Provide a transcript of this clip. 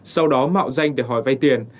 sau đó mạo danh để hỏi vay tiền